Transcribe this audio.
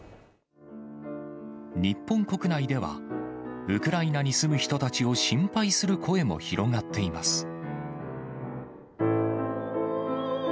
日本国内では、ウクライナに住む人たちを心配する声も広がっています。